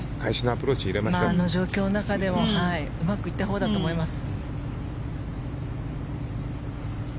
あの状況の中でもうまくいったほうだと思います。